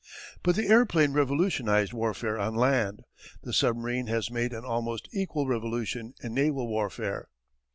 But the airplane revolutionized warfare on land. The submarine has made an almost equal revolution in naval warfare.